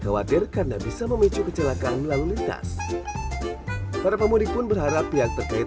khawatir karena bisa memicu kecelakaan lalu lintas para pemudik pun berharap pihak terkait